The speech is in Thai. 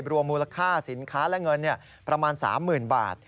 รวมมูลค่าสินค้าและเงินประมาณ๓๐๐๐บาท